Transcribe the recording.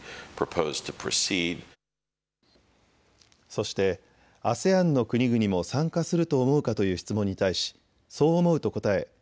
そして、ＡＳＥＡＮの国々も参加すると思うかという質問に対し、そう思うと答え